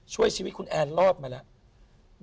ช่วยชีวิตคุณแอนรอดมาแล้ว